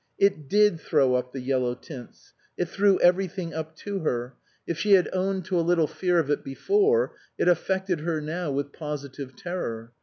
It did throw up the yellow tints. It threw everything up to her. If she had owned to a little fear of it before, it affected her now with positive terror.